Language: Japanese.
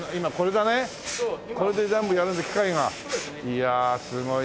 いやすごい。